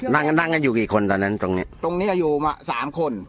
นั่งนั่งกันอยู่กี่คนตอนนั้นตรงเนี้ยตรงเนี้ยอยู่มาสามคน